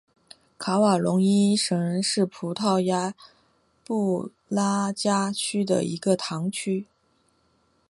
卡瓦隆伊什是葡萄牙布拉加区的一个堂区。